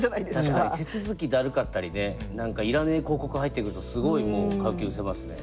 確かに手続きだるかったりね何かいらねえ広告入ってくるとすごいもう買う気うせますね。